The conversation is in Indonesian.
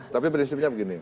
tapi prinsipnya begini